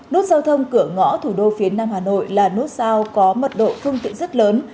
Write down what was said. nút giao thông cửa ngõ thủ đô phía nam hà nội là nút sao có mật độ phương tiện rất lớn